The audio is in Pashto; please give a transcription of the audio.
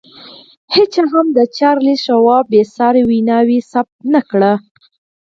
هېچا هم د چارلیس شواب بې ساري وینا ثبت نه کړه